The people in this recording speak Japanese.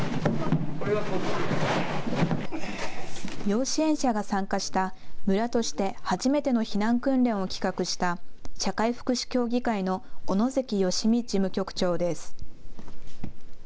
要支援者が参加した村として初めての避難訓練を企画した社会福祉協議会の小野関芳美事務局長です。